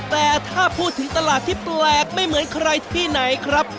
แต่ถ้าพูดถึงตลาดที่แปลกไม่เหมือนใครที่ไหนครับ